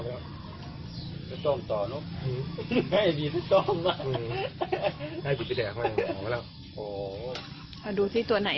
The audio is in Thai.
แล้วส้มต่อเนอะให้ดีส้มอ่ะให้กินไปแดกไหมออกมาแล้วโอ้เอาดูสิตัวไหน